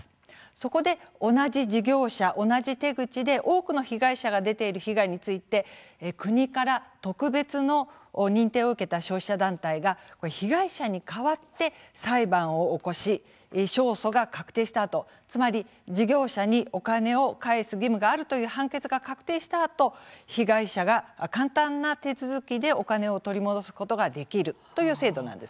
そこで同じ事業者同じ手口で多くの被害者が出ている被害について国から特別な認定を受けた消費者団体が被害者に代わって裁判を起こし勝訴が確定したあとつまり事業者にお金を返す義務があるという判決が確定したあと被害者が簡単な手続きでお金を取り戻すことができるという制度です。